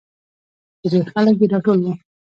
چې ډېرخلک پې راټول وو.